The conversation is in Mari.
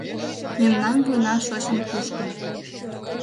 Мемнан вуйна шочын-кушкын